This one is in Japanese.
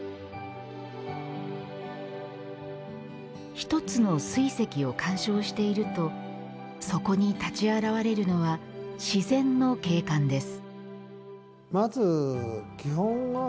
ひとつの水石を観賞しているとそこに立ち現れるのは自然の景観です。